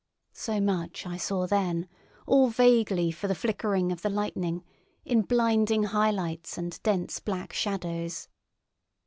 So much I saw then, all vaguely for the flickering of the lightning, in blinding highlights and dense black shadows.